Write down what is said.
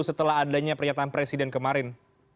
setelah adanya pernyataan presiden kemarin